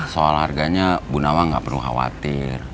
soal harganya bu nawang gak perlu khawatir